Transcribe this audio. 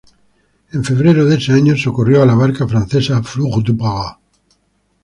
En febrero de ese año socorrió a la barca francesa "Fleur du Para".